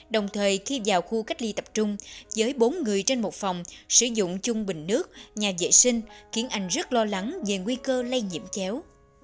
đồng thời khi vào khu cách ly tập trung với bốn người trên một phòng sử dụng chung bình nước nhà vệ sinh khiến anh rất lo lắng về nguy cơ lây nhiễm chéo